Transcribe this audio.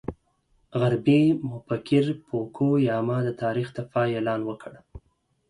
غربي مفکر فوکو یاما د تاریخ د پای اعلان وکړ.